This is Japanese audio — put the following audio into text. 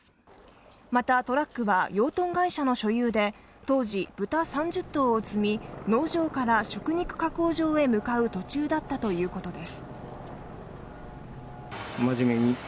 またトラックは養豚会社の所有で、当時、豚３０頭を積み農場から食肉加工場へ向かう途中だったということです